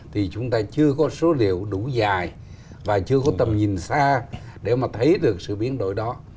thì chúng ta chưa có số liệu đủ dài và chưa có tầm nhìn xa để mà thấy được sự biến đổi đó